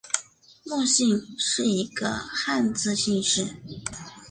莫姓是一个汉字姓氏。